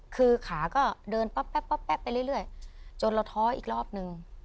คือขาก็เดินป๊อบแป๊บป๊อบแป๊บไปเรื่อยเรื่อยจนเราท้ออีกรอบหนึ่ง